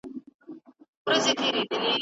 آیا پیاده تګ تر موټر چلولو روغتیا ته ښه دی؟